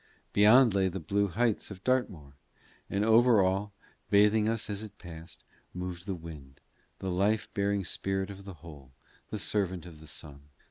Beyond lay the blue heights of Dartmoor. And over all, bathing us as it passed, moved the wind, the life bearing spirit of the whole, the servant of the sun.